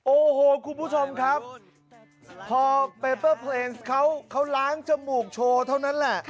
โอ้โหคุณผู้ชมครับพอเขาเขาล้างจมูกโชว์เท่านั้นแหละ